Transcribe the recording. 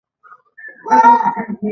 وادي د افغانستان د انرژۍ سکتور برخه ده.